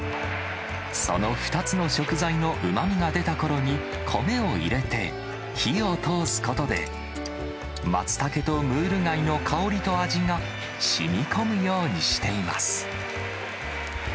その２つの食材のうまみが出たころに米を入れて、火を通すことで、マツタケとムール貝の香りと味が、しみこむようにしています。